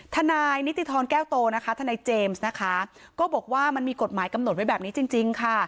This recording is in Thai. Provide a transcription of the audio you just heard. ทนายนิติธรแก้วโตนะคะทนายเจมส์นะคะก็บอกว่ามันมีกฎหมายกำหนดไว้แบบนี้จริงค่ะ